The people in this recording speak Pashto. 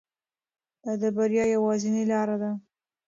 دا د بریا یوازینۍ لاره ده.